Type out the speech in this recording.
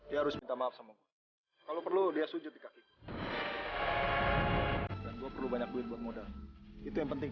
harus minta maaf kalau perlu dia sujud di kaki banyak banyak itu yang penting